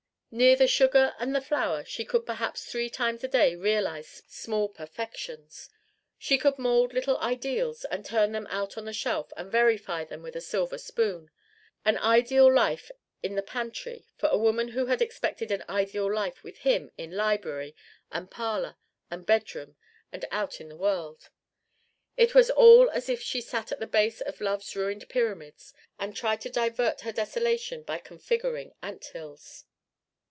Near the sugar and the flour she could perhaps three times a day realize small perfections; she could mould little ideals and turn them out on the shelf and verify them with a silver spoon: an ideal life in the pantry for a woman who had expected an ideal life with him in library and parlor and bedroom and out in the world. It was all as if she sat at the base of Love's ruined Pyramids and tried to divert her desolation by configuring ant hills.